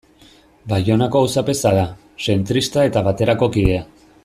Baionako auzapeza da, zentrista eta Baterako kidea.